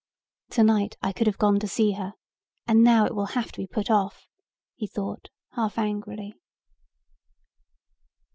"Tonight I could have gone to see her and now it will have to be put off," he thought half angrily.